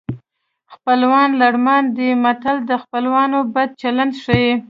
خپلوان لړمان دي متل د خپلوانو بد چلند ښيي